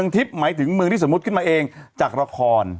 ทิพย์หมายถึงเมืองที่สมมุติขึ้นมาเองจากละคร